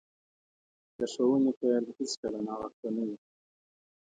د ښوونې پیل هیڅکله ناوخته نه وي.